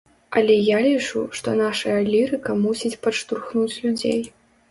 Але я лічу, што нашая лірыка мусіць падштурхнуць людзей.